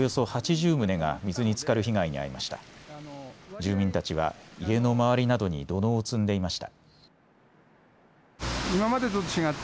住民たちは家の周りなどに土のうを積んでいました。